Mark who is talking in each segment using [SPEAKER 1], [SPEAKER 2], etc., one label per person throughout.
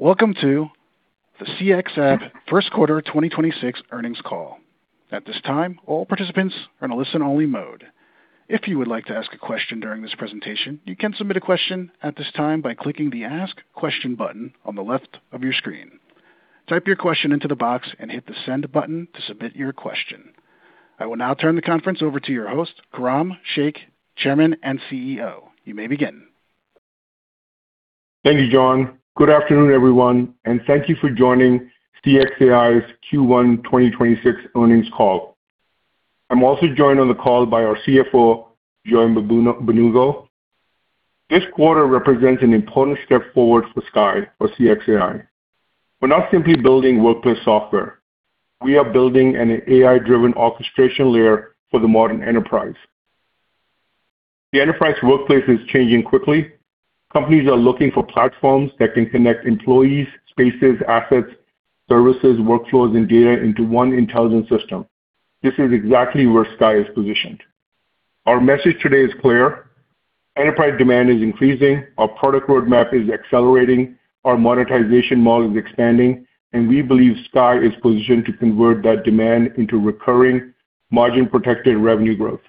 [SPEAKER 1] Greetings. Welcome to the CXAI first quarter 2026 earnings call. At this time all participants are on a listen only mode. If you would lie to ask a question during this presentation you can submit a question at this time by clicking the Ask Question button on the left of your screen. Type your question into the box and hit the send button to submit your question. I will now turn the conference over to your host, Khurram Sheikh, Chairman and CEO. You may begin.
[SPEAKER 2] Thank you, John. Good afternoon, everyone, and thank you for joining CXAI's Q1 2026 earnings call. I'm also joined on the call by our CFO, Joy Mbanugo. This quarter represents an important step forward for CXAI or CXAI. We're not simply building workplace software. We are building an AI-driven orchestration layer for the modern enterprise. The enterprise workplace is changing quickly. Companies are looking for platforms that can connect employees, spaces, assets, services, workflows, and data into one intelligent system. This is exactly where CXAI is positioned. Our message today is clear. Enterprise demand is increasing, our product roadmap is accelerating, our monetization model is expanding, and we believe CXAI is positioned to convert that demand into recurring margin-protected revenue growth.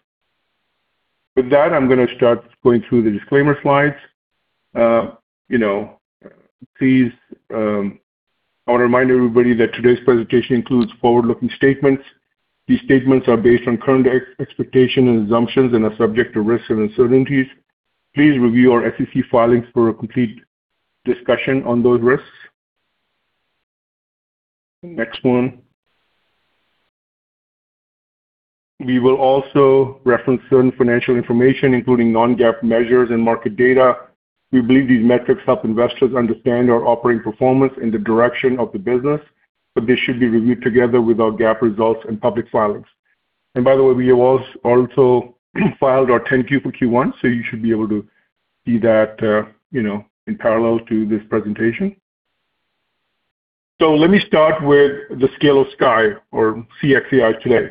[SPEAKER 2] With that, I'm gonna start going through the disclaimer slides. You know, please, I wanna remind everybody that today's presentation includes forward-looking statements. These statements are based on current expectation and assumptions and are subject to risks and uncertainties. Please review our SEC filings for a complete discussion on those risks. Next one. We will also reference certain financial information, including non-GAAP measures and market data. We believe these metrics help investors understand our operating performance and the direction of the business, they should be reviewed together with our GAAP results and public filings. By the way, we have also filed our 10-Q for Q1, you should be able to see that, you know, in parallel to this presentation. Let me start with the scale of CXAI or CXAI today.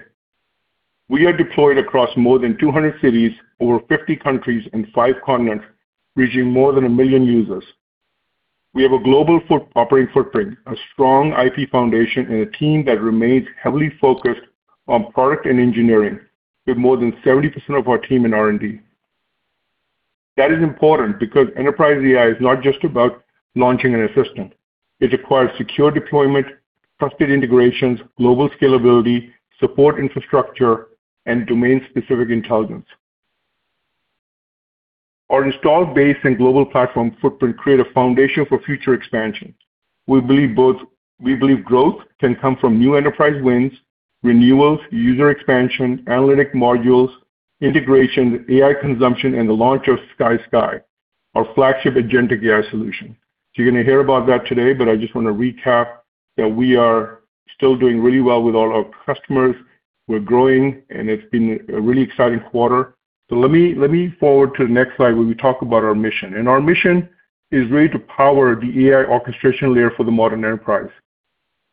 [SPEAKER 2] We are deployed across more than 200 cities, over 50 countries, and five continents, reaching more than a million users. We have a global operating footprint, a strong IP foundation, and a team that remains heavily focused on product and engineering, with more than 70% of our team in R&D. That is important because enterprise AI is not just about launching an assistant. It requires secure deployment, trusted integrations, global scalability, support infrastructure, and domain-specific intelligence. Our installed base and global platform footprint create a foundation for future expansion. We believe growth can come from new enterprise wins, renewals, user expansion, analytic modules, integration, AI consumption, and the launch of CXAI, our flagship agentic AI solution. You're gonna hear about that today, I just wanna recap that we are still doing really well with all our customers. We're growing, and it's been a really exciting quarter. Let me forward to the next slide where we talk about our mission. Our mission is really to power the AI orchestration layer for the modern enterprise.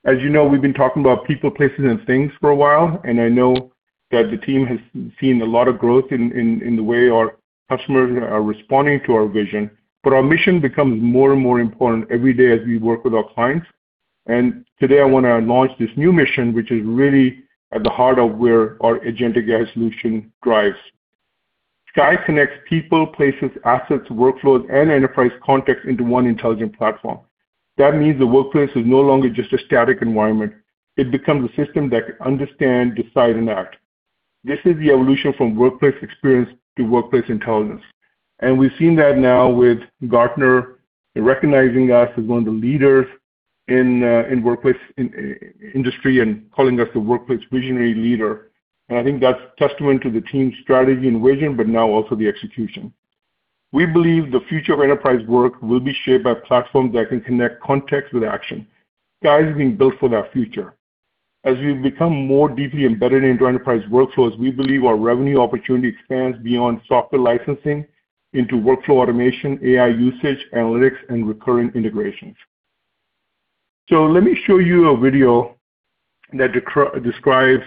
[SPEAKER 2] As you know, we've been talking about people, places, and things for a while, and I know that the team has seen a lot of growth in the way our customers are responding to our vision. Our mission becomes more and more important every day as we work with our clients. Today I wanna launch this new mission, which is really at the heart of where our agentic AI solution drives. CXAI connects people, places, assets, workflows, and enterprise context into one intelligent platform. That means the workplace is no longer just a static environment. It becomes a system that can understand, decide, and act. This is the evolution from workplace experience to workplace intelligence. We've seen that now with Gartner recognizing us as one of the leaders in in workplace in-industry and calling us the workplace visionary leader. I think that's testament to the team's strategy and vision, but now also the execution. We believe the future of enterprise work will be shaped by platforms that can connect context with action. CXAI is being built for that future. As we become more deeply embedded into enterprise workflows, we believe our revenue opportunity expands beyond software licensing into workflow automation, AI usage, analytics, and recurring integrations. Let me show you a video that describes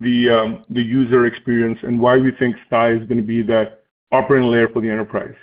[SPEAKER 2] the user experience and why we think CXAI is gonna be that operating layer for the enterprise.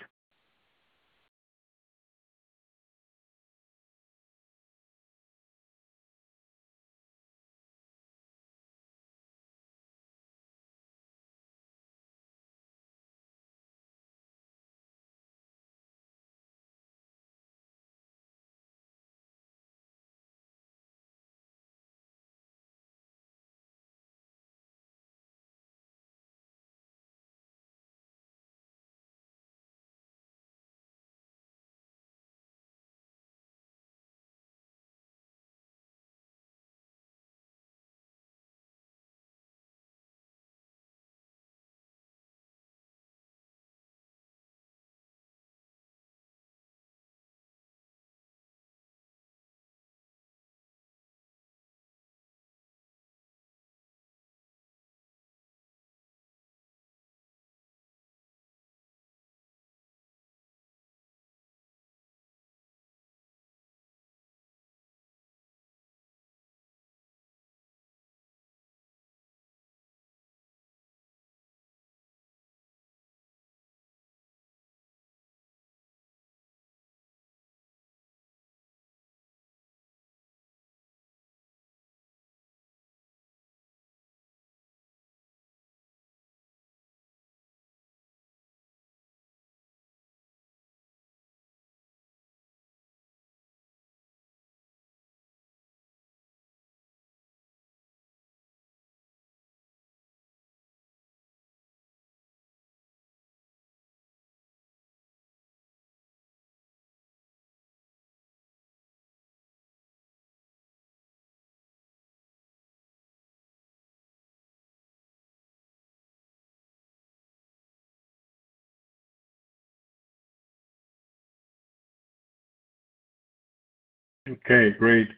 [SPEAKER 2] Okay, great.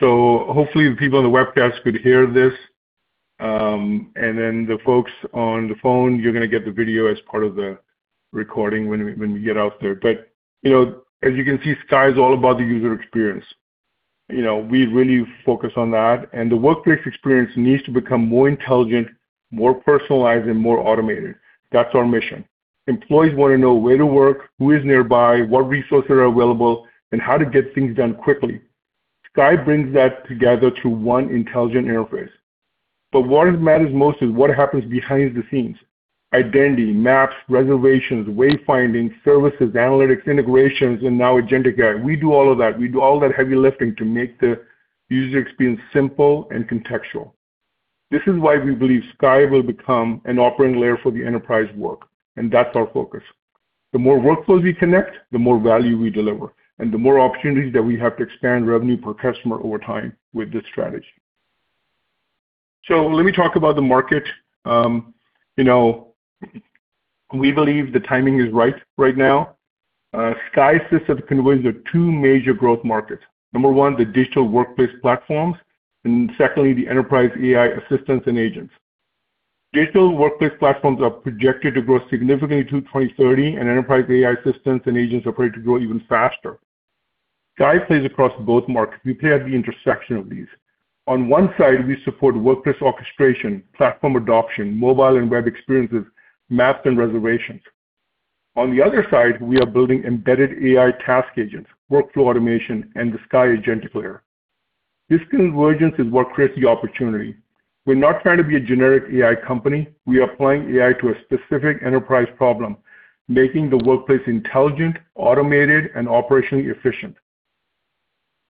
[SPEAKER 2] Hopefully the people on the webcast could hear this. Then the folks on the phone, you're gonna get the video as part of the recording when we get out there. You know, as you can see, CXAI is all about the user experience. You know, we really focus on that. The workplace experience needs to become more intelligent, more personalized, and more automated. That's our mission. Employees wanna know where to work, who is nearby, what resources are available, and how to get things done quickly. CXAI brings that together through one intelligent interface. What matters most is what happens behind the scenes. Identity, maps, reservations, wayfinding, services, analytics, integrations, and now agentic AI. We do all of that. We do all that heavy lifting to make the user experience simple and contextual. This is why we believe CXAI will become an operating layer for the enterprise work. That's our focus. The more workflows we connect, the more value we deliver, and the more opportunities that we have to expand revenue per customer over time with this strategy. Let me talk about the market. You know, we believe the timing is right right now. CXAI sits at the convergence of two major growth markets. Number one, the digital workplace platforms, and secondly, the enterprise AI assistants and agents. Digital workplace platforms are projected to grow significantly through 2030, and enterprise AI assistants and agents are projected to grow even faster. CXAI plays across both markets. We play at the intersection of these. On one side, we support workplace orchestration, platform adoption, mobile and web experiences, maps and reservations. On the other side, we are building embedded AI task agents, workflow automation, and the CXAI agentic layer. This convergence is what creates the opportunity. We're not trying to be a generic AI company. We are applying AI to a specific enterprise problem, making the workplace intelligent, automated, and operationally efficient.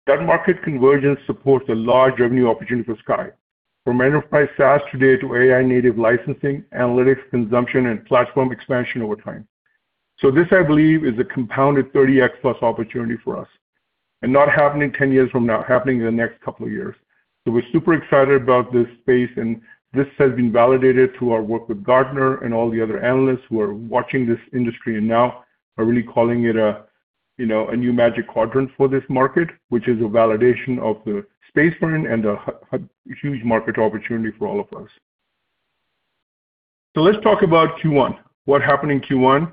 [SPEAKER 2] That market convergence supports a large revenue opportunity for CXAI, from enterprise SaaS today to AI-native licensing, analytics, consumption, and platform expansion over time. This, I believe, is a compounded 30x+ opportunity for us. Not happening 10 years from now, happening in the next couple of years. We're super excited about this space, and this has been validated through our work with Gartner and all the other analysts who are watching this industry and now are really calling it a, you know, a new Magic Quadrant for this market, which is a validation of the space frame and a huge market opportunity for all of us. Let's talk about Q1. What happened in Q1?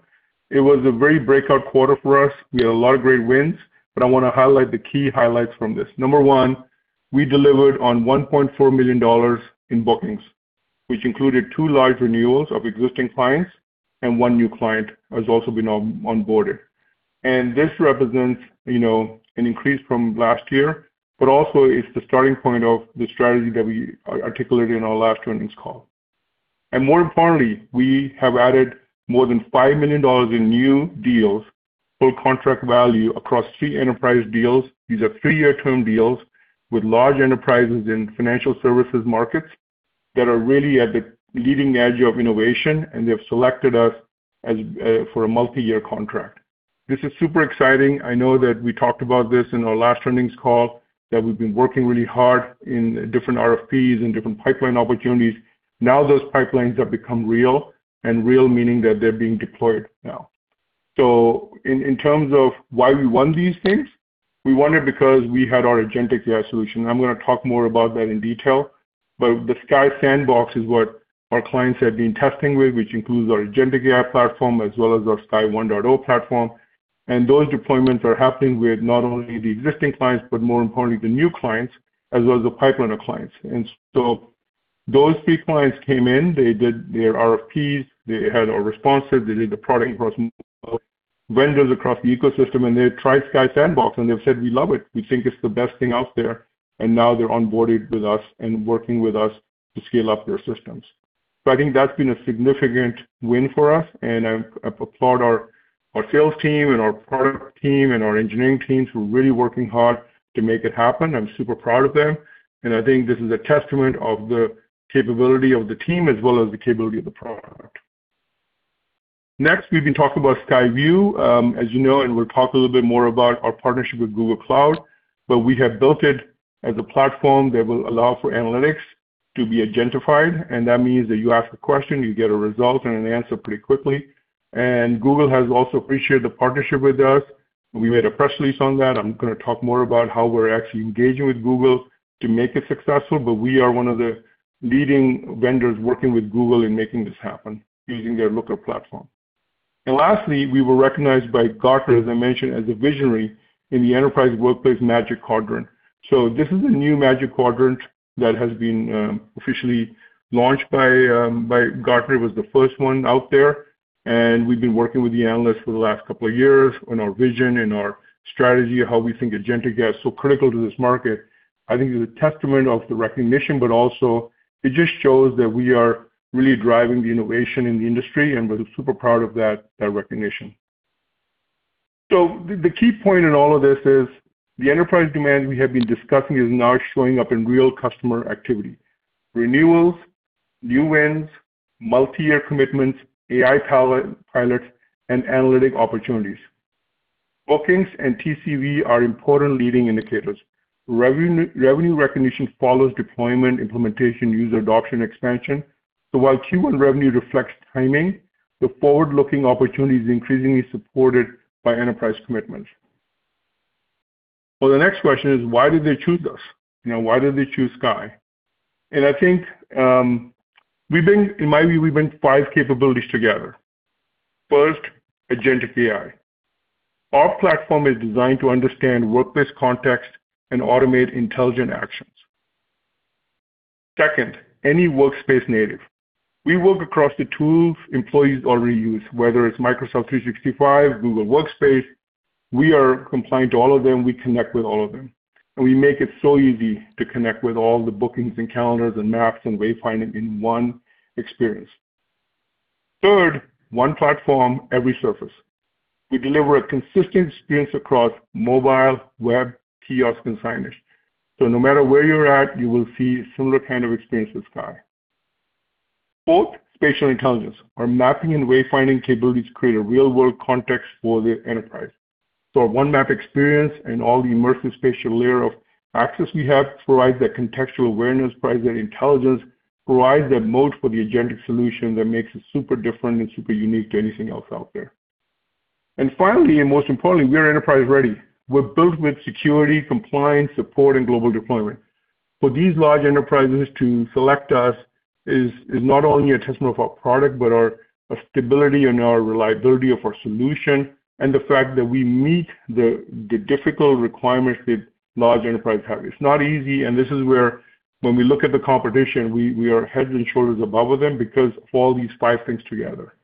[SPEAKER 2] It was a very breakout quarter for us. We had a lot of great wins. I wanna highlight the key highlights from this. Number one, we delivered on $1.4 million in bookings, which included two large renewals of existing clients and one new client has also been onboarded. This represents, you know, an increase from last year, also it's the starting point of the strategy that we articulated in our last earnings call. More importantly, we have added more than $5 million in new deals, full contract value across three enterprise deals. These are three-year term deals with large enterprises in financial services markets that are really at the leading edge of innovation, they have selected us for a multi-year contract. This is super exciting. I know that we talked about this in our last earnings call, that we've been working really hard in different RFPs and different pipeline opportunities. Those pipelines have become real, and real meaning that they're being deployed now. In terms of why we won these things, we won it because we had our agentic AI solution. I'm gonna talk more about that in detail. The CXAI Sandbox is what our clients have been testing with, which includes our agentic AI platform, as well as our CXAI 1.0 platform. Those deployments are happening with not only the existing clients, but more importantly, the new clients, as well as the pipeline of clients. Those three clients came in, they did their RFPs, they had our responses, they did the product across vendors, across the ecosystem, and they tried CXAI Sandbox, and they've said, "We love it. We think it's the best thing out there." Now they're onboarded with us and working with us to scale up their systems. I think that's been a significant win for us, and I applaud our sales team and our product team and our engineering teams who are really working hard to make it happen. I'm super proud of them, and I think this is a testament of the capability of the team as well as the capability of the product. Next, we can talk about CXAI VU. As you know, and we'll talk a little bit more about our partnership with Google Cloud, but we have built it as a platform that will allow for analytics to be agentified, and that means that you ask a question, you get a result and an answer pretty quickly. Google has also appreciated the partnership with us. We made a press release on that. I'm gonna talk more about how we're actually engaging with Google to make it successful, but we are one of the leading vendors working with Google in making this happen using their Looker platform. Lastly, we were recognized by Gartner, as I mentioned, as a visionary in the Magic Quadrant for Workplace Experience Applications. This is a new Magic Quadrant that has been officially launched by Gartner. It was the first one out there, and we've been working with the analysts for the last couple of years on our vision and our strategy of how we think agentic AI is so critical to this market. I think it's a testament of the recognition, but also it just shows that we are really driving the innovation in the industry, and we're super proud of that recognition. The key point in all of this is the enterprise demand we have been discussing is now showing up in real customer activity. Renewals, new wins, multi-year commitments, AI pilots, and analytic opportunities. Bookings and TCV are important leading indicators. Revenue recognition follows deployment, implementation, user adoption, expansion. While Q1 revenue reflects timing, the forward-looking opportunity is increasingly supported by enterprise commitments. Well, the next question is: Why did they choose us? You know, why did they choose CXAI? In my view, we bring five capabilities together. First, agentic AI. Our platform is designed to understand workplace context and automate intelligent actions. Second, any workspace native. We work across the tools employees already use, whether it's Microsoft 365, Google Workspace. We are compliant to all of them. We connect with all of them, and we make it so easy to connect with all the bookings and calendars and maps and wayfinding in one experience. Third, one platform, every surface. We deliver a consistent experience across mobile, web, kiosk, and signage. No matter where you're at, you will see similar kind of experience with CXAI. Fourth, spatial intelligence. Our mapping and wayfinding capabilities create a real-world context for the enterprise. Our One Map Experience and all the immersive spatial layer of access we have provides that contextual awareness, provides that intelligence, provides that mode for the agentic solution that makes it super different and super unique to anything else out there. Finally, and most importantly, we are enterprise-ready. We're built with security, compliance, support, and global deployment. For these large enterprises to select us is not only a testament of our product, but our stability and our reliability of our solution and the fact that we meet the difficult requirements that large enterprises have. It's not easy, and this is where when we look at the competition, we are heads and shoulders above of them because of all these five things together.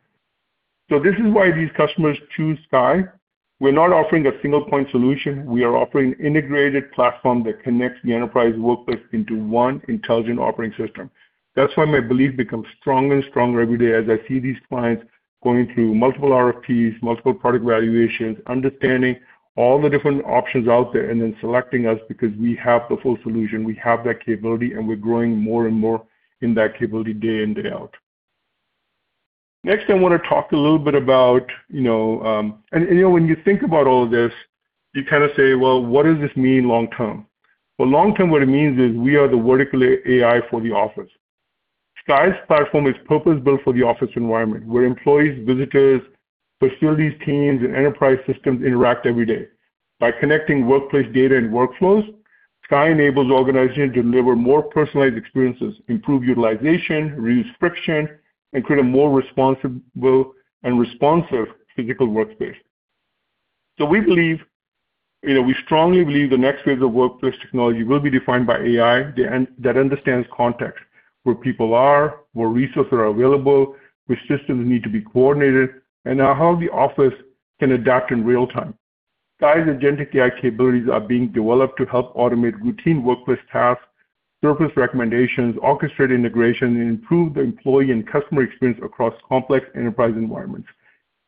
[SPEAKER 2] This is why these customers choose CXAI. We're not offering a single-point solution. We are offering integrated platform that connects the enterprise workplace into one intelligent operating system. That's why my belief becomes stronger and stronger every day as I see these clients going through multiple RFPs, multiple product evaluations, understanding all the different options out there, and then selecting us because we have the full solution. We have that capability, and we're growing more and more in that capability day in, day out. Next, I wanna talk a little bit about, you know, when you think about all of this, you kinda say, "Well, what does this mean long term?" Well, long term, what it means is we are the vertical AI for the office. CXAI's platform is purpose-built for the office environment, where employees, visitors, facilities teams, and enterprise systems interact every day. By connecting workplace data and workflows, CXAI enables organizations to deliver more personalized experiences, improve utilization, reduce friction, and create a more responsible and responsive physical workspace. We believe, you know, we strongly believe the next phase of workplace technology will be defined by AI that understands context, where people are, where resources are available, which systems need to be coordinated, and how the office can adapt in real time. CXAI's agentic AI capabilities are being developed to help automate routine workplace tasks, surface recommendations, orchestrate integration, and improve the employee and customer experience across complex enterprise environments.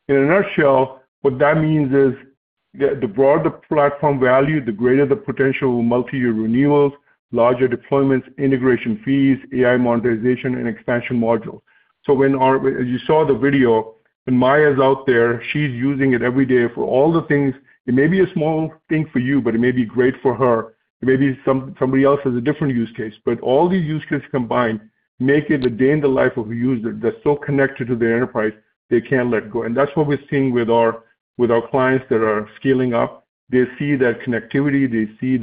[SPEAKER 2] In a nutshell, what that means is the broader the platform value, the greater the potential multi-year renewals, larger deployments, integration fees, AI monetization, and expansion modules. When our— as you saw the video, when Maya's out there, she's using it every day for all the things. It may be a small thing for you, but it may be great for her. It may be somebody else has a different use case. All these use cases combined make it a day in the life of a user that's so connected to their enterprise, they can't let go. That's what we're seeing with our clients that are scaling up. They see that connectivity. They see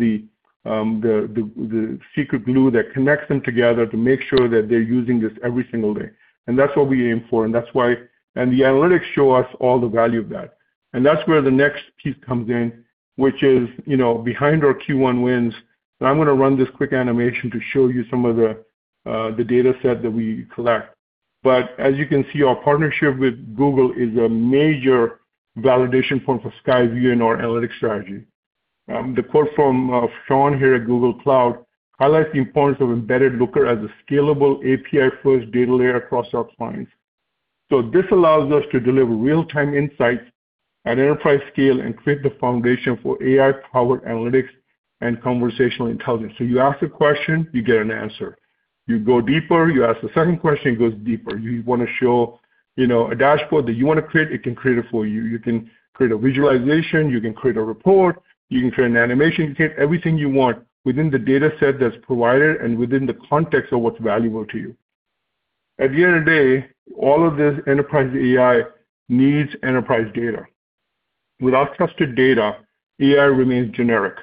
[SPEAKER 2] the secret glue that connects them together to make sure that they're using this every single day, and that's what we aim for. That's why. The analytics show us all the value of that. That's where the next piece comes in, which is, you know, behind our Q1 wins. I'm gonna run this quick animation to show you some of the data set that we collect. As you can see, our partnership with Google is a major validation point for CXAI VU and our analytics strategy. The quote from Sean here at Google Cloud highlights the importance of embedded Looker as a scalable API-first data layer across our clients. This allows us to deliver real-time insights at enterprise scale and create the foundation for AI-powered analytics and conversational intelligence. You ask a question, you get an answer. You go deeper, you ask a second question, it goes deeper. You wanna show, you know, a dashboard that you wanna create, it can create it for you. You can create a visualization. You can create a report. You can create an animation. You can create everything you want within the data set that's provided and within the context of what's valuable to you. At the end of the day, all of this enterprise AI needs enterprise data. Without trusted data, AI remains generic.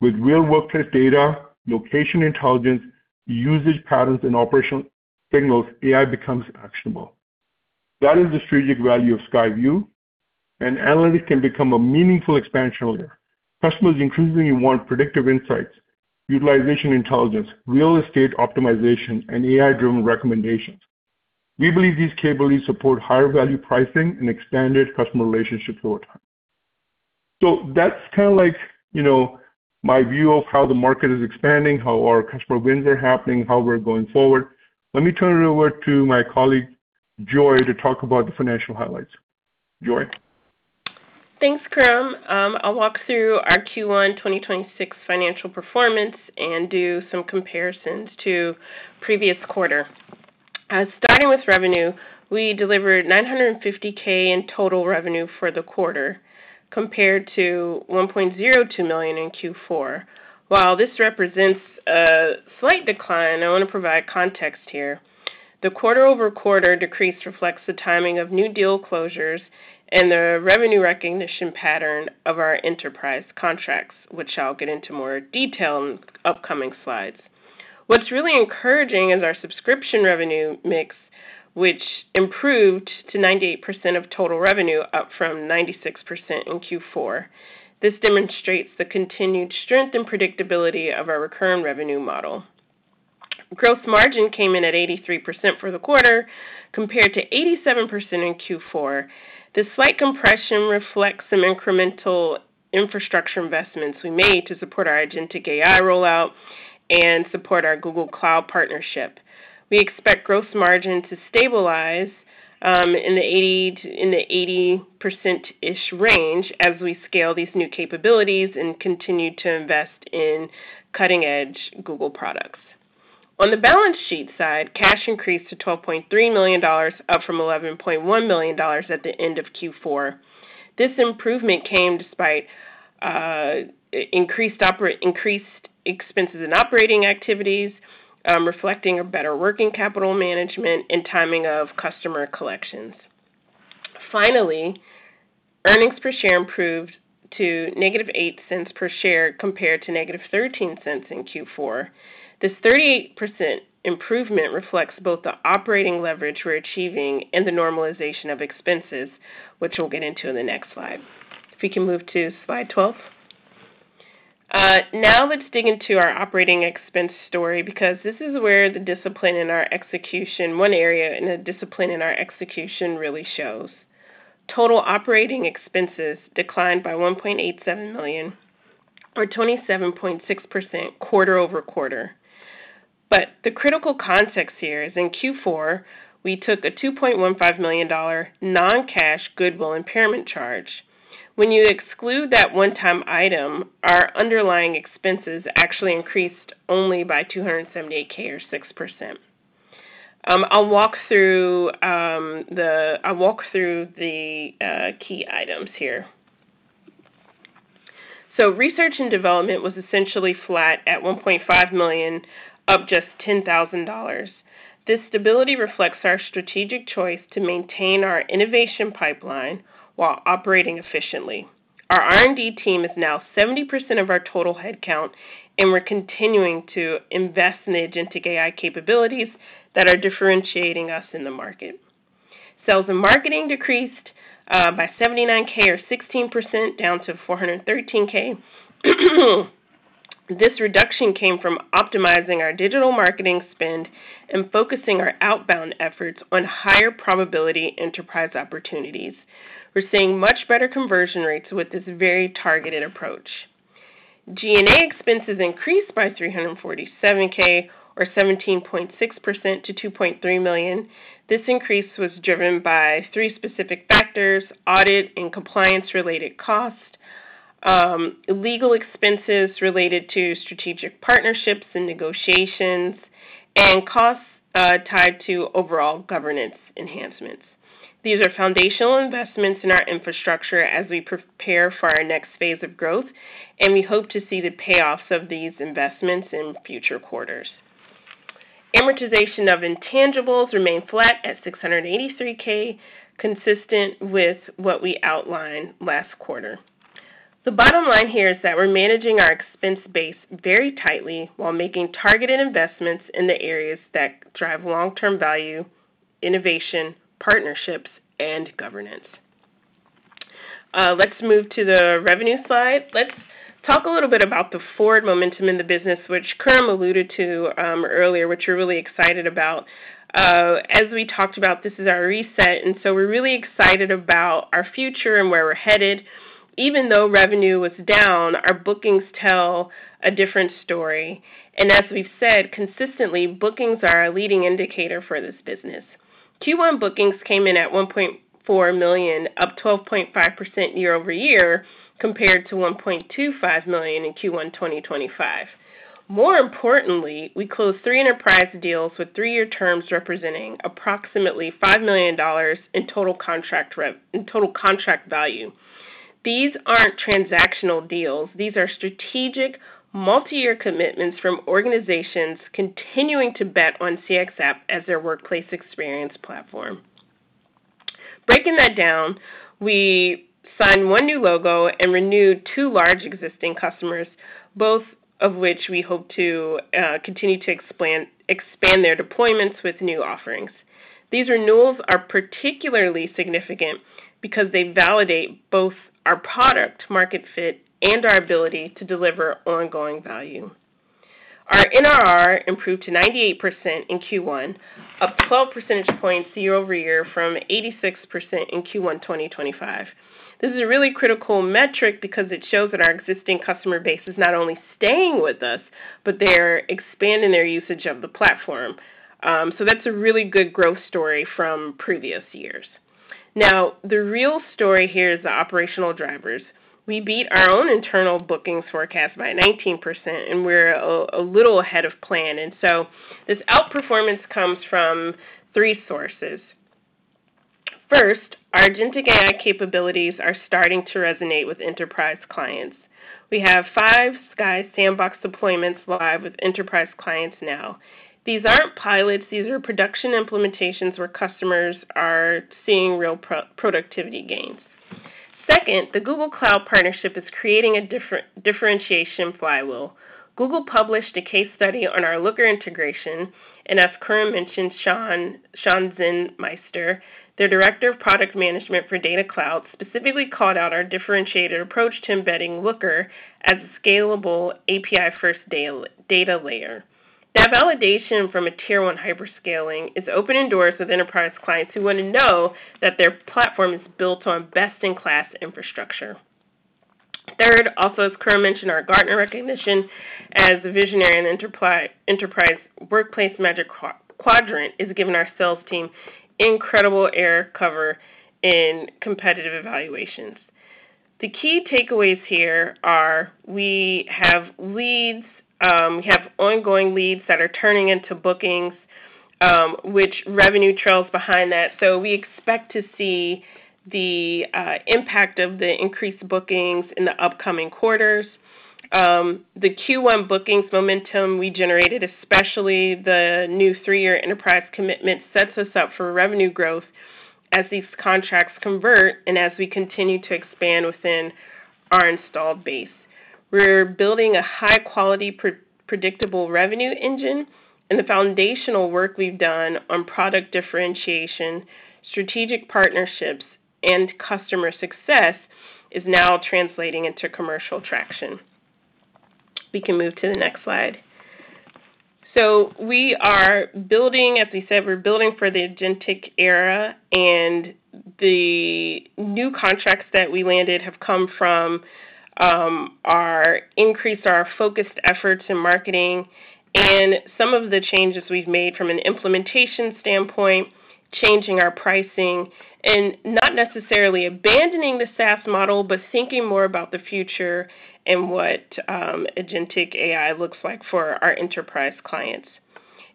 [SPEAKER 2] With real workplace data, location intelligence, usage patterns, and operational signals, AI becomes actionable. That is the strategic value of CXAI VU, and analytics can become a meaningful expansion layer. Customers increasingly want predictive insights, utilization intelligence, real estate optimization, and AI-driven recommendations. We believe these capabilities support higher value pricing and expanded customer relationships over time. That's kinda like, you know, my view of how the market is expanding, how our customer wins are happening, how we're going forward. Let me turn it over to my colleague, Joy, to talk about the financial highlights. Joy?
[SPEAKER 3] Thanks, Khurram. I'll walk through our Q1 2026 financial performance and do some comparisons to previous quarter. Starting with revenue, we delivered $950,000 in total revenue for the quarter compared to $1.02 million in Q4. While this represents a slight decline, I want to provide context here. The quarter-over-quarter decrease reflects the timing of new deal closures and the revenue recognition pattern of our enterprise contracts, which I'll get into more detail in upcoming slides. What's really encouraging is our subscription revenue mix, which improved to 98% of total revenue, up from 96% in Q4. This demonstrates the continued strength and predictability of our recurring revenue model. Gross margin came in at 83% for the quarter compared to 87% in Q4. This slight compression reflects some incremental infrastructure investments we made to support our agentic AI rollout and support our Google Cloud partnership. We expect gross margin to stabilize in the 80%-ish range as we scale these new capabilities and continue to invest in cutting-edge Google products. On the balance sheet side, cash increased to $12.3 million, up from $11.1 million at the end of Q4. This improvement came despite increased expenses in operating activities, reflecting a better working capital management and timing of customer collections. Finally, earnings per share improved to -$0.08 per share compared to -$0.13 in Q4. This 38% improvement reflects both the operating leverage we're achieving and the normalization of expenses, which we'll get into in the next slide. If we can move to slide 12. Now let's dig into our operating expense story because this is where the discipline in our execution, one area in the discipline in our execution, really shows. Total operating expenses declined by $1.87 million or 27.6% quarter-over-quarter. The critical context here is in Q4, we took a $2.15 million non-cash goodwill impairment charge. When you exclude that one-time item, our underlying expenses actually increased only by $278,000 or 6%. I'll walk through the key items here. Research and development was essentially flat at $1.5 million, up just $10,000. This stability reflects our strategic choice to maintain our innovation pipeline while operating efficiently. Our R&D team is now 70% of our total headcount. We're continuing to invest in agentic AI capabilities that are differentiating us in the market. Sales and marketing decreased by $79,000 or 16% down to $413,000. This reduction came from optimizing our digital marketing spend and focusing our outbound efforts on higher probability enterprise opportunities. We're seeing much better conversion rates with this very targeted approach. G&A expenses increased by $347,000 or 17.6% to $2.3 million. This increase was driven by three specific factors: audit and compliance-related costs, legal expenses related to strategic partnerships and negotiations, and costs tied to overall governance enhancements. These are foundational investments in our infrastructure as we prepare for our next phase of growth, and we hope to see the payoffs of these investments in future quarters. Amortization of intangibles remained flat at $683,000, consistent with what we outlined last quarter. The bottom line here is that we're managing our expense base very tightly while making targeted investments in the areas that drive long-term value, innovation, partnerships, and governance. Let's move to the revenue slide. Let's talk a little bit about the forward momentum in the business, which Khurram alluded to earlier, which we're really excited about. As we talked about, this is our reset, and so we're really excited about our future and where we're headed. Even though revenue was down, our bookings tell a different story, and as we've said consistently, bookings are a leading indicator for this business. Q1 bookings came in at $1.4 million, up 12.5% year-over-year compared to $1.25 million in Q1 2025. More importantly, we closed three enterprise deals with three-year terms representing approximately $5 million in total contract value. These aren't transactional deals. These are strategic multi-year commitments from organizations continuing to bet on CXAI as their workplace experience platform. Breaking that down, we signed one new logo and renewed two large existing customers, both of which we hope to continue to expand their deployments with new offerings. These renewals are particularly significant because they validate both our product market fit and our ability to deliver ongoing value. Our NRR improved to 98% in Q1, up 12 percentage points year-over-year from 86% in Q1 2025. This is a really critical metric because it shows that our existing customer base is not only staying with us, but they're expanding their usage of the platform. That's a really good growth story from previous years. Now, the real story here is the operational drivers. We beat our own internal bookings forecast by 19%, and we're a little ahead of plan. This outperformance comes from three sources. First, our agentic AI capabilities are starting to resonate with enterprise clients. We have five CXAI Sandbox deployments live with enterprise clients now. These aren't pilots; these are production implementations where customers are seeing real productivity gains. Second, the Google Cloud partnership is creating a differentiation flywheel. Google published a case study on our Looker integration. As Khurram mentioned, Sean Zinsmeister, their Director of Product Management for Data Cloud, specifically called out our differentiated approach to embedding Looker as a scalable API-first data layer. That validation from a tier one hyperscaling is opening doors with enterprise clients who wanna know that their platform is built on best-in-class infrastructure. Third, also as Khurram mentioned, our Gartner recognition as a visionary in enterprise workplace Magic Quadrant has given our sales team incredible air cover in competitive evaluations. The key takeaways here are we have leads, we have ongoing leads that are turning into bookings, which revenue trails behind that. We expect to see the impact of the increased bookings in the upcoming quarters. The Q1 bookings momentum we generated, especially the new three-year enterprise commitment, sets us up for revenue growth as these contracts convert and as we continue to expand within our installed base. We're building a high-quality pre-predictable revenue engine, and the foundational work we've done on product differentiation, strategic partnerships, and customer success is now translating into commercial traction. We can move to the next slide. We are building, as we said, we're building for the agentic era, and the new contracts that we landed have come from our focused efforts in marketing and some of the changes we've made from an implementation standpoint, changing our pricing, and not necessarily abandoning the SaaS model, but thinking more about the future and what agentic AI looks like for our enterprise clients.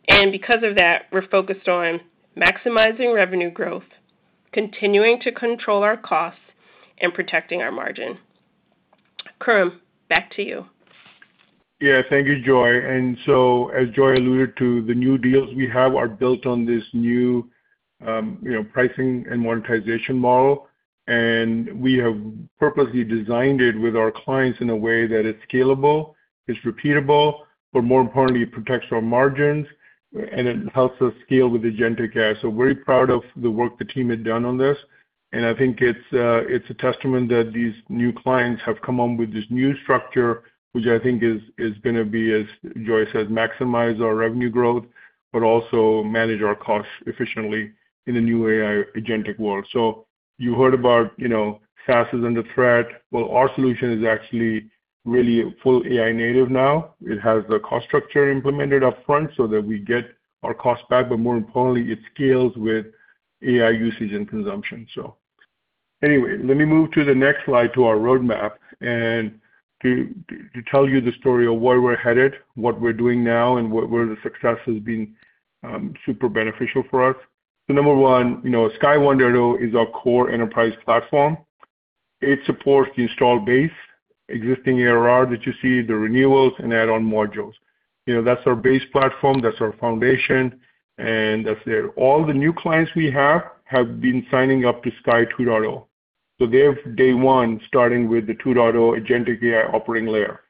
[SPEAKER 3] Because of that, we're focused on maximizing revenue growth, continuing to control our costs, and protecting our margin. Khurram, back to you.
[SPEAKER 2] Thank you, Joy. As Joy alluded to, the new deals we have are built on this new, you know, pricing and monetization model, and we have purposely designed it with our clients in a way that it's scalable, it's repeatable, but more importantly, it protects our margins and it helps us scale with agentic AI. Very proud of the work the team had done on this, and I think it's a testament that these new clients have come on with this new structure, which I think is going to be, as Joy said, maximize our revenue growth, but also manage our costs efficiently in the new AI agentic world. You heard about, you know, SaaS is under threat. Well, our solution is actually really full AI native now. It has the cost structure implemented upfront so that we get our cost back, but more importantly, it scales with AI usage and consumption. Let me move to the next slide to our roadmap and to tell you the story of where we're headed, what we're doing now, and where the success has been super beneficial for us. Number one, you know, CXAI 1.0 is our core enterprise platform. It supports the install base, existing ARR that you see, the renewals, and add-on modules. You know, that's our base platform, that's our foundation, and that's there. All the new clients we have been signing up to CXAI 2.0. They're day one starting with the 2.0 agentic AI operating layer.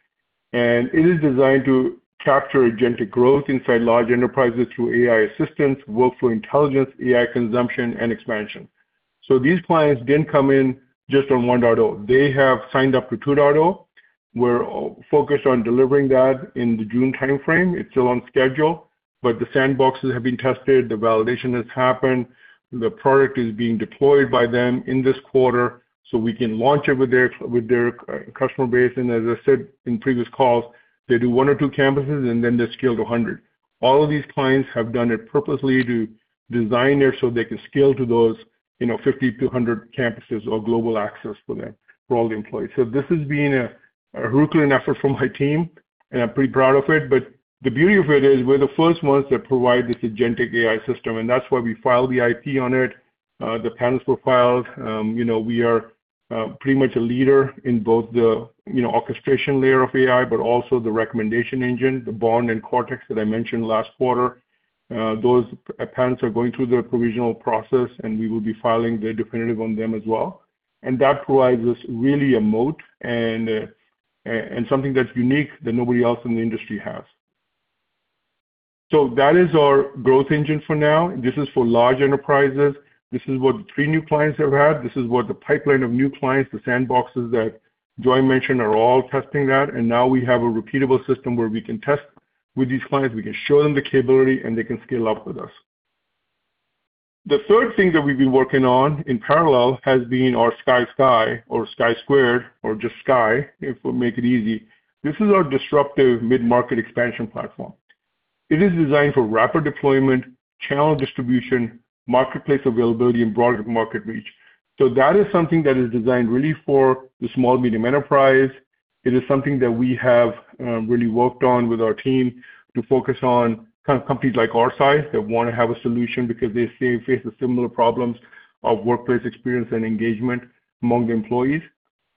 [SPEAKER 2] It is designed to capture agentic growth inside large enterprises through AI assistance, workflow intelligence, AI consumption, and expansion. These clients didn't come in just on 1.0. They have signed up to 2.0. We're focused on delivering that in the June timeframe. It's still on schedule, but the sandboxes have been tested, the validation has happened. The product is being deployed by them in this quarter, so we can launch it with their customer base. As I said in previous calls, they do one or two campuses, and then they scale to 100. All of these clients have done it purposely to design there so they can scale to those, you know, 50-100 campuses or global access for them, for all the employees. This has been a Herculean effort from my team, and I'm pretty proud of it. The beauty of it is we're the first ones that provide this agentic AI system, and that's why we filed the IP on it. The patents were filed. You know, we are pretty much a leader in both the, you know, orchestration layer of AI, but also the recommendation engine, the Bond and Cortex that I mentioned last quarter. Those patents are going through their provisional process, and we will be filing their definitive on them as well. That provides us really a moat and something that's unique that nobody else in the industry has. That is our growth engine for now. This is for large enterprises. This is what three new clients have had. This is what the pipeline of new clients, the sandboxes that Joy mentioned, are all testing that. Now we have a repeatable system where we can test with these clients, we can show them the capability, and they can scale up with us. The third thing that we've been working on in parallel has been our CXAI Chi or CXAI squared or just CXAI, if we make it easy. This is our disruptive mid-market expansion platform. It is designed for rapid deployment, channel distribution, marketplace availability, and broader market reach. That is something that is designed really for the small/medium enterprise. It is something that we have really worked on with our team to focus on kind of companies like our size that wanna have a solution because they face the similar problems of workplace experience and engagement among the employees.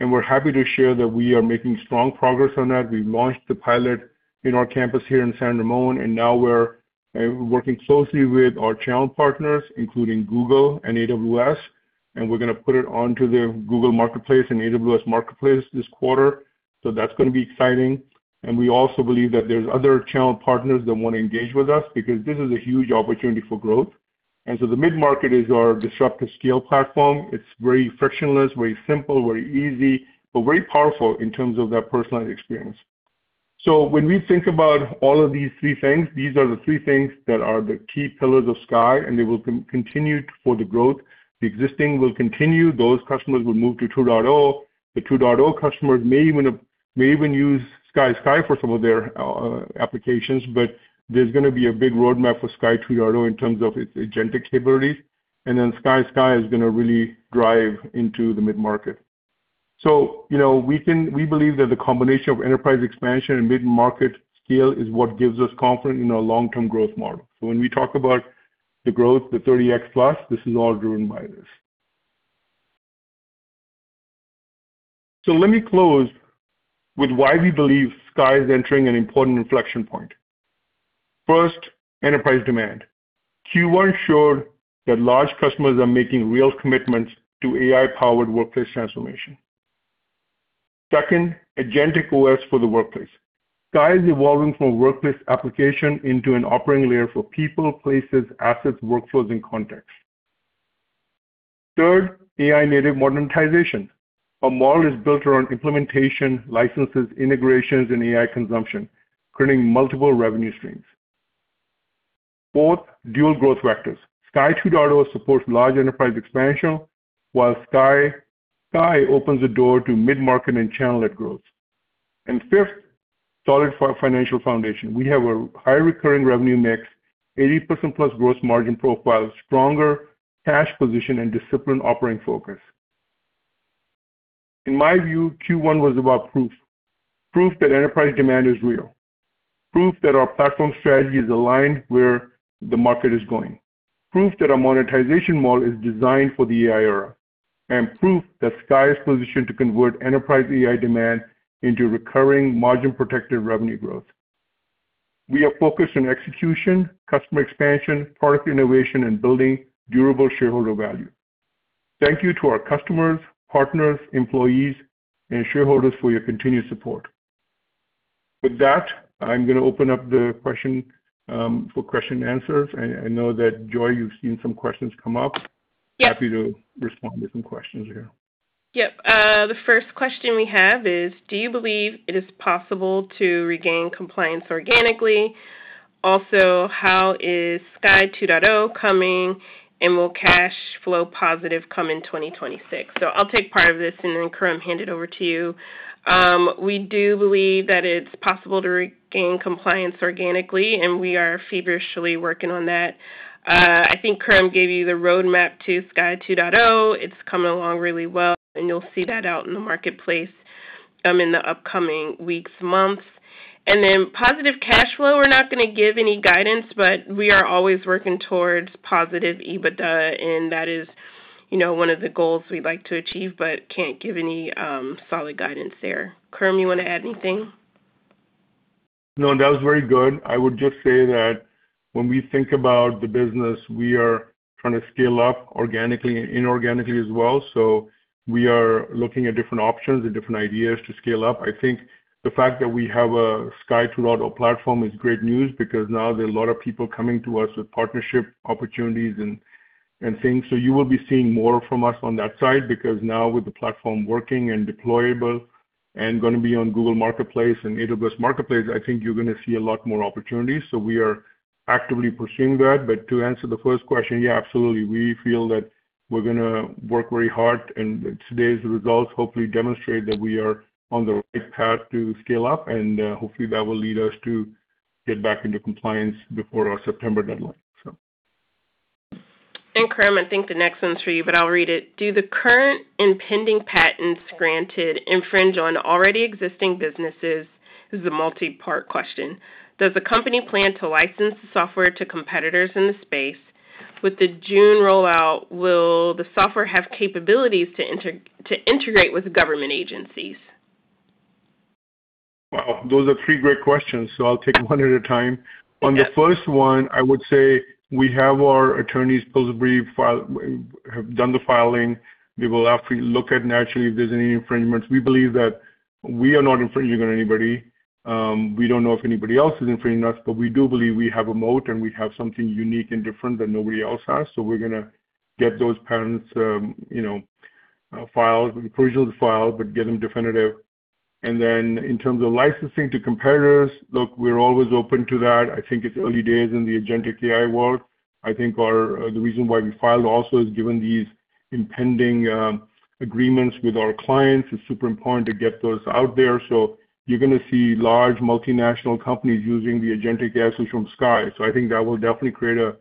[SPEAKER 2] We're happy to share that we are making strong progress on that. We launched the pilot in our campus here in San Ramon. Now we're working closely with our channel partners, including Google and AWS. We're gonna put it onto the Google Marketplace and AWS Marketplace this quarter. That's gonna be exciting. We also believe that there's other channel partners that wanna engage with us because this is a huge opportunity for growth. The mid-market is our disruptive scale platform. It's very frictionless, very simple, very easy, but very powerful in terms of that personalized experience. When we think about all of these three things, these are the three things that are the key pillars of CXAI, and they will continue for the growth. The existing will continue. Those customers will move to 2.0. The 2.0 customers may even use CXAI Chi for some of their applications, but there's gonna be a big roadmap for CXAI 2.0 in terms of its agentic capabilities. CXAI Chi is gonna really drive into the mid-market. You know, we believe that the combination of enterprise expansion and mid-market scale is what gives us confidence in our long-term growth model. When we talk about the growth, the 30X+, this is all driven by this. Let me close with why we believe CXAI is entering an important inflection point. First, enterprise demand. Q1 showed that large customers are making real commitments to AI-powered workplace transformation. Second, agentic OS for the workplace. CXAI is evolving from a workplace application into an operating layer for people, places, assets, workflows, and context. Third, AI-native monetization. Our model is built around implementation, licenses, integrations, and AI consumption, creating multiple revenue streams. Fourth, dual growth vectors. CXAI 2.0 supports large enterprise expansion, while CXAI opens the door to mid-market and channel-led growth. Fifth, solid financial foundation. We have a high recurring revenue mix, 80%+ gross margin profile, stronger cash position, and disciplined operating focus. In my view, Q1 was about proof. Proof that enterprise demand is real, proof that our platform strategy is aligned where the market is going, proof that our monetization model is designed for the AI era, and proof that CXAI is positioned to convert enterprise AI demand into recurring margin-protected revenue growth. We are focused on execution, customer expansion, product innovation, and building durable shareholder value. Thank you to our customers, partners, employees, and shareholders for your continued support. With that, I'm gonna open up the question for question and answers. I know that, Joy, you've seen some questions come up.
[SPEAKER 3] Yes.
[SPEAKER 2] Happy to respond to some questions here.
[SPEAKER 3] Yep. The first question we have is, do you believe it is possible to regain compliance organically? Also, how is CXAI 2.0 coming, and will cash flow positive come in 2026? I'll take part of this, and then, Khurram, hand it over to you. We do believe that it's possible to regain compliance organically, and we are feverishly working on that. I think Khurram gave you the roadmap to CXAI 2.0. It's coming along really well, and you'll see that out in the marketplace in the upcoming weeks, months. Positive cash flow, we're not gonna give any guidance, but we are always working towards positive EBITDA, and that is, you know, one of the goals we'd like to achieve, but can't give any solid guidance there. Khurram, you wanna add anything?
[SPEAKER 2] No, that was very good. I would just say that when we think about the business, we are trying to scale up organically and inorganically as well. We are looking at different options and different ideas to scale up. I think the fact that we have a CXAI 2.0 platform is great news because now there are a lot of people coming to us with partnership opportunities and things. You will be seeing more from us on that side because now with the platform working and deployable and gonna be on Google Cloud Marketplace and AWS Marketplace, I think you're gonna see a lot more opportunities. We are actively pursuing that. To answer the first question, yeah, absolutely. We feel that we're gonna work very hard. Today's results hopefully demonstrate that we are on the right path to scale up. Hopefully, that will lead us to get back into compliance before our September deadline.
[SPEAKER 3] Khurram, I think the next one's for you, but I'll read it. Do the current impending patents granted infringe on already existing businesses? This is a multi-part question. Does the company plan to license the software to competitors in the space? With the June rollout, will the software have capabilities to integrate with government agencies?
[SPEAKER 2] Wow. Those are three great questions. I'll take one at a time. On the first one, I would say we have our attorneys Have done the filing. They will actually look at naturally if there's any infringements. We believe that we are not infringing on anybody. We don't know if anybody else is infringing us. We do believe we have a moat and we have something unique and different that nobody else has. We're gonna get those patents, you know, filed, provisional filed, get them definitive. In terms of licensing to competitors, look, we're always open to that. I think it's early days in the agentic AI world. I think our the reason why we filed also is given these impending agreements with our clients. It's super important to get those out there. You're gonna see large multinational companies using the agentic AI solution from CXAI. I think that will definitely create a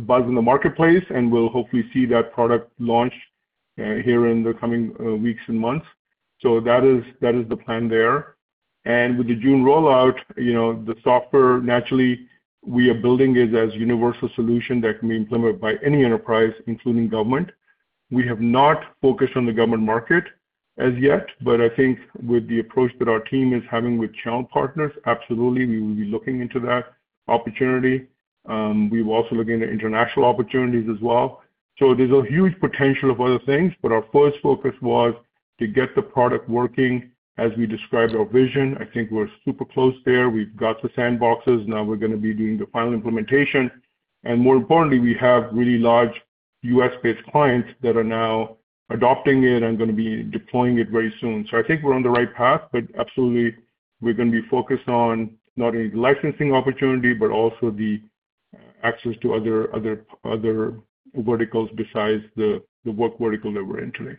[SPEAKER 2] buzz in the marketplace, and we'll hopefully see that product launch here in the coming weeks and months. That is the plan there. With the June rollout, you know, the software, naturally we are building it as universal solution that can be implemented by any enterprise, including government. We have not focused on the government market as yet, but I think with the approach that our team is having with channel partners, absolutely we will be looking into that opportunity. We will also look into international opportunities as well. There's a huge potential of other things, but our first focus was to get the product working as we described our vision. I think we're super close there. We've got the sandboxes. We're going to be doing the final implementation. More importantly, we have really large U.S.-based clients that are now adopting it and going to be deploying it very soon. I think we're on the right path, but absolutely we're going to be focused on not only the licensing opportunity, but also the access to other verticals besides the work vertical that we're entering.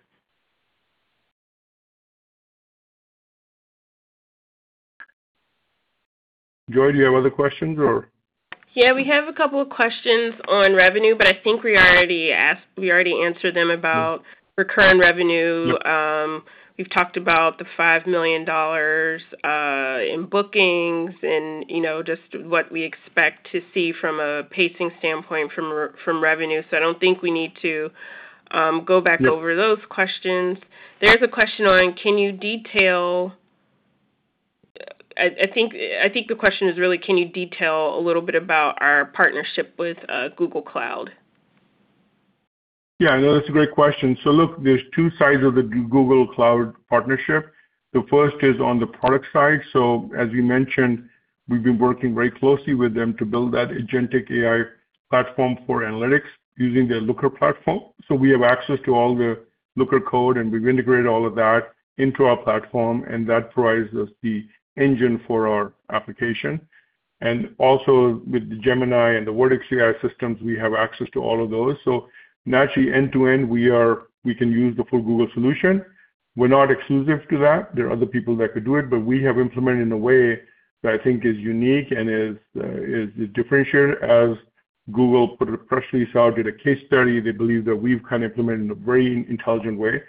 [SPEAKER 2] Joy, do you have other questions?
[SPEAKER 3] Yeah, we have a couple of questions on revenue, but I think we already answered them about recurring revenue.
[SPEAKER 2] Yeah.
[SPEAKER 3] We've talked about the $5 million in bookings and, you know, just what we expect to see from a pacing standpoint from revenue. I don't think we need to go back over those questions. There's a question on can you detail I think the question is really can you detail a little bit about our partnership with Google Cloud?
[SPEAKER 2] Yeah. No, that's a great question. Look, there's two sides of the Google Cloud partnership. The first is on the product side. As you mentioned, we've been working very closely with them to build that agentic AI platform for analytics using their Looker platform. We have access to all the Looker code, and we've integrated all of that into our platform, and that provides us the engine for our application. Also with the Gemini and the Vertex AI systems, we have access to all of those. Naturally, end-to-end, we can use the full Google solution. We're not exclusive to that. There are other people that could do it, but we have implemented in a way that I think is unique and is differentiated as Google put it freshly out, did a case study. They believe that we've kind of implemented in a very intelligent way.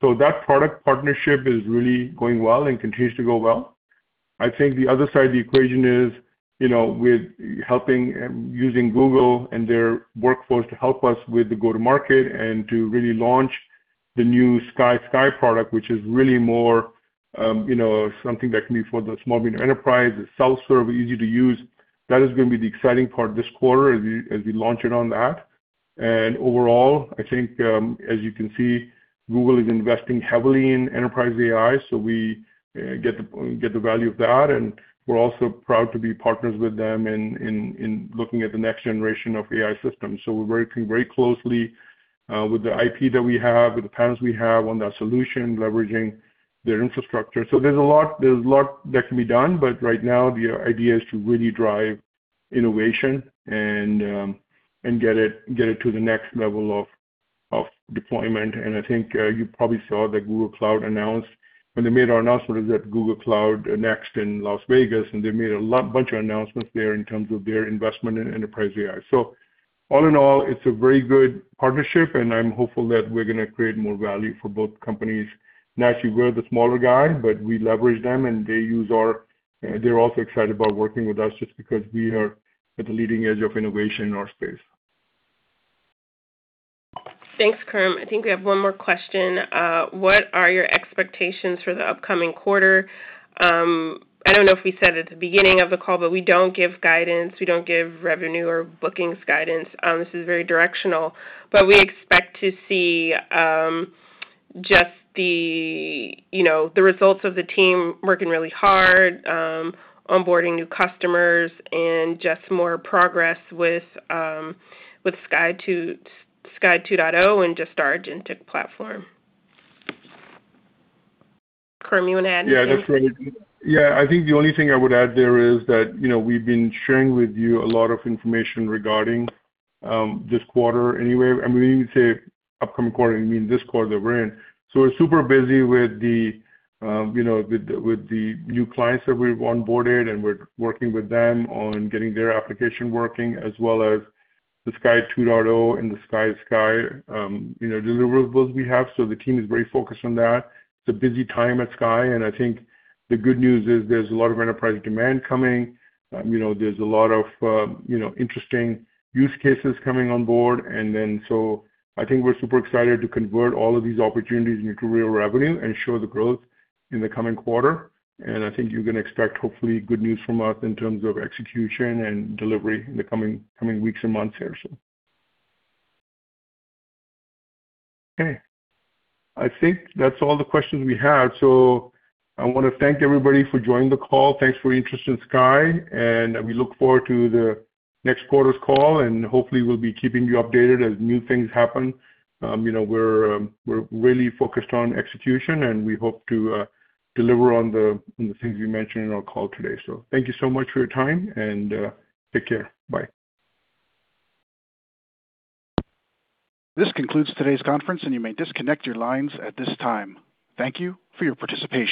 [SPEAKER 2] That product partnership is really going well and continues to go well. I think the other side of the equation is, you know, with helping and using Google and their workforce to help us with the go-to-market and to really launch the new CXAI product, which is really more, you know, something that can be for the small minor enterprise. It's self-serve, easy to use. That is gonna be the exciting part this quarter as we launch it on that. Overall, I think, as you can see, Google is investing heavily in enterprise AI, so we get the value of that. We're also proud to be partners with them in looking at the next generation of AI systems. We're working very closely with the IP that we have, with the patents we have on that solution, leveraging their infrastructure. There's a lot that can be done, but right now the idea is to really drive innovation and get it to the next level of deployment. I think you probably saw that Google Cloud announced when they made our announcement is at Google Cloud Next in Las Vegas, and they made a bunch of announcements there in terms of their investment in enterprise AI. All in all, it's a very good partnership, and I'm hopeful that we're gonna create more value for both companies. Naturally, we're the smaller guy, but we leverage them. They're also excited about working with us just because we are at the leading edge of innovation in our space.
[SPEAKER 3] Thanks, Khurram. I think we have one more question. What are your expectations for the upcoming quarter? I don't know if we said at the beginning of the call, but we don't give guidance. We don't give revenue or bookings guidance. This is very directional, but we expect to see, just the, you know, the results of the team working really hard, onboarding new customers and just more progress with CXAI 2.0 and just our agentic platform. Khurram, you wanna add anything?
[SPEAKER 2] That's right. Yeah. I think the only thing I would add there is that, you know, we've been sharing with you a lot of information regarding this quarter anyway. I mean, when you say upcoming quarter, you mean this quarter that we're in. We're super busy with the, you know, with the, with the new clients that we've onboarded, and we're working with them on getting their application working, as well as the CXAI 2.0 and the CXAI Chi, you know, deliverables we have. The team is very focused on that. It's a busy time at CXAI, and I think the good news is there's a lot of enterprise demand coming. You know, there's a lot of, you know, interesting use cases coming on board. I think we're super excited to convert all of these opportunities into real revenue and show the growth in the coming quarter. I think you can expect hopefully good news from us in terms of execution and delivery in the coming weeks and months here. Okay. I think that's all the questions we have. I want to thank everybody for joining the call. Thanks for your interest in CXAI, we look forward to the next quarter's call, and hopefully we'll be keeping you updated as new things happen. You know, we're really focused on execution, and we hope to deliver on the things we mentioned in our call today. Thank you so much for your time, and take care. Bye.
[SPEAKER 1] This concludes today's conference, and you may disconnect your lines at this time. Thank you for your participation.